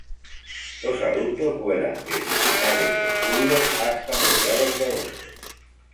Los adultos vuelan desde finales de julio hasta mediados de agosto.